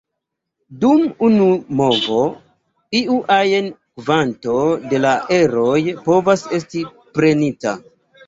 Dum unu movo iu ajn kvanto de la eroj povas esti prenita.